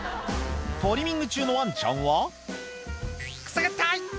トリミング中のワンちゃんは「くすぐったい！」